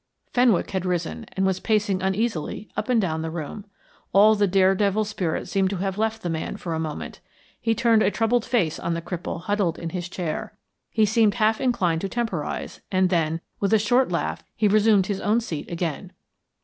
Fenwick had risen, and was pacing uneasily up and down the room. All the dare devil spirit seemed to have left the man for a moment; he turned a troubled face on the cripple huddled in his chair. He seemed half inclined to temporise, and then, with a short laugh, he resumed his own seat again.